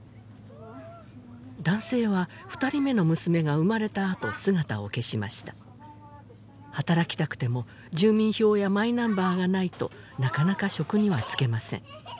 男性は二人目の娘が生まれたあと姿を消しました働きたくても住民票やマイナンバーがないとなかなか職には就けません